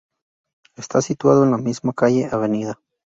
Está situado en la misma calle, Av.